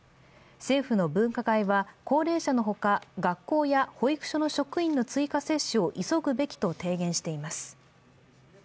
政府の分科会は高齢者のほか、学校や保育所の職員の追加接種を急ぐべきと提言しています。